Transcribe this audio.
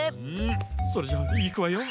それじゃいくわよ。